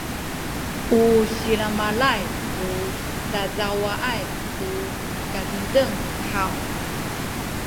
u silamalay ku dadawaay tu kazizeng haw?